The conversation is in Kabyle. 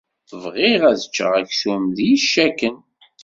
Bɣiɣ ad ččeɣ aksum d yicakan.